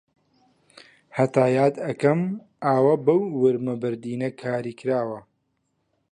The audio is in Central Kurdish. هەتا یاد ئەکەم ئاوە بەو ورمە بەردینە کاری کراوە